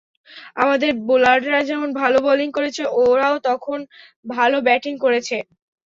আমাদের বোলাররা যেমন ভালো বোলিং করেছে, ওরাও তখন ভালো ব্যাটিং করেছে।